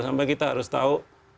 sampai kita harus tahu